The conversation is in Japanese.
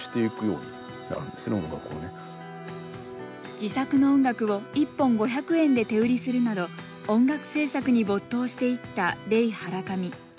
自作の音楽を１本５００円で手売りするなど音楽制作に没頭していったレイ・ハラカミ。